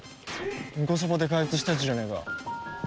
ンコソパで開発したやつじゃねえか。